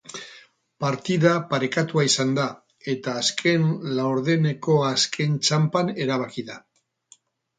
Partida parekatua izan da, eta azken laurdeneko azken txanpan erabaki da.